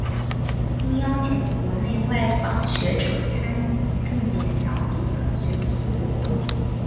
并邀请国内外访问学者参与重点小组的学术活动。